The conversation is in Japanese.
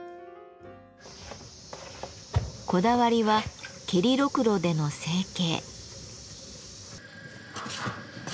こだわりは蹴りろくろでの成形。